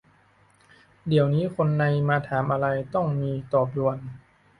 เดี๋ยวนี้คนใน มาถามอะไร ต้องมี ตอบด่วน